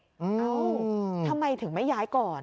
เอ้าทำไมถึงไม่ย้ายก่อน